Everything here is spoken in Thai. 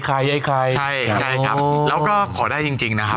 ไข่ครับแล้วก็ขอได้จริงนะครับ